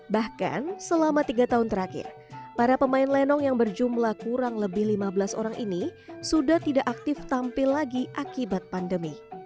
bahkan selama tiga tahun terakhir para pemain lenong yang berjumlah kurang lebih lima belas orang ini sudah tidak aktif tampil lagi akibat pandemi